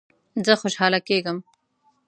زه خوشحاله کیږم